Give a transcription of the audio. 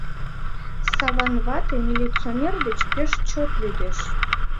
Саван вате милиционер деч пеш чот лӱдеш.